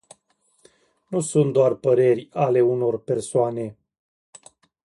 Nu sunt doar păreri ale unor persoane.